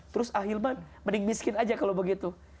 terus ah ilman mending miskin aja kalo begitu